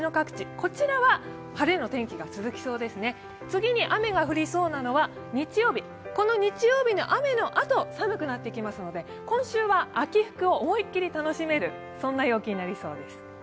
この日曜日の雨のあと、寒くなってきますので、今週は秋服を思いっきり楽しめる陽気になりそうです。